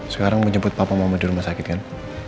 sekarang menjemput papa mama di rumah sakit kan